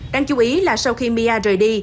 đang chú ý là sau khi mia rời đi